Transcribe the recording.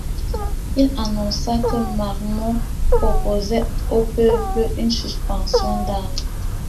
Il annonça que Marmont proposait au peuple une suspension d'armes.